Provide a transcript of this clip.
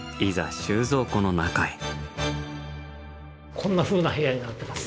こんなふうな部屋になってます。